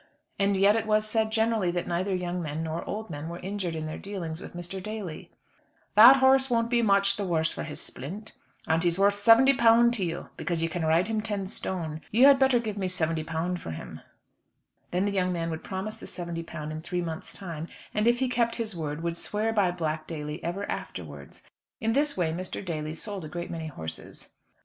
And yet it was said generally that neither young men nor old men were injured in their dealings with Mr. Daly. "That horse won't be much the worse for his splint, and he's worth £70 to you, because you can ride him ten stone. You had better give me £70 for him." Then the young man would promise the £70 in three months' time, and if he kept his word, would swear by Black Daly ever afterwards. In this way Mr. Daly sold a great many horses.